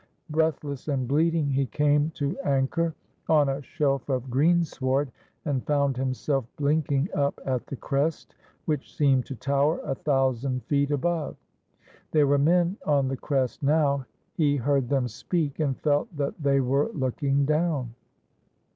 Breathless and bleeding, he came to anchor on a shelf of greensward, and found himself blink ing up at the crest, which seemed to tower a thousand feet above. There were men on the crest now. He heard them speak, and felt that they were looking down.